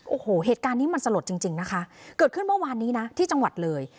โอ้โหเหตุการณ์นี้มันสลดจริงจริงนะคะเกิดขึ้นเมื่อวานนี้นะที่จังหวัดเลย